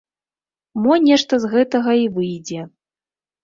Мо, нешта з гэтага і выйдзе?